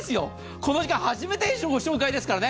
この時間初めてのご紹介ですからね。